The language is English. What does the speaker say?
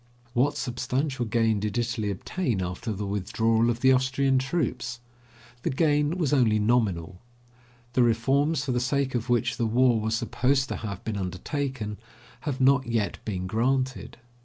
What substantial gain did Italy obtain after the withdrawal of the Austrian troops? The gain was only nominal. The reforms, for the sake of which the war was supposed to have been undertaken, have not yet been granted.